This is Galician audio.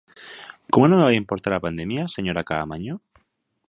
¿Como non me vai importar a pandemia, señora Caamaño?